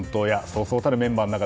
そうそうたるメンバーの中